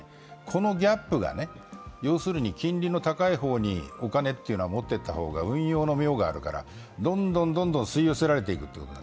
このギャップが、要するに金利の高い方にお金ってのは持っていった方が運用の妙があるからどんどん吸いよせられている。